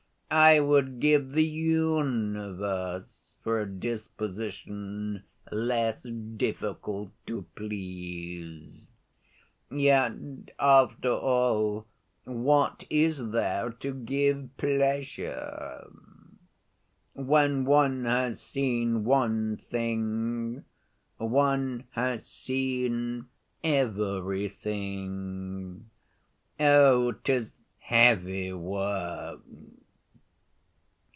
I would give the universe for a disposition less difficult to please. Yet, after all, what is there to give pleasure? When one has seen one thing, one has seen everything. Oh, 'tis heavy work!